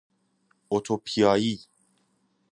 اتوپیایی